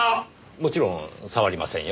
もちろん触りませんよ。